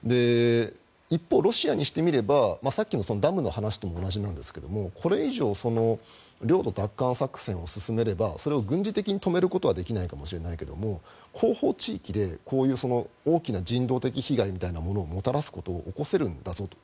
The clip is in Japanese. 一方、ロシアにしてみればさっきのダムの話と同じなんですがこれ以上領土奪還作戦を進めればそれを軍事的に止めることはできないかもしれないけれど後方地域で大きな人道的被害をもたらすことを起こせるんだぞと。